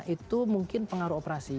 itu mungkin pengaruh operasi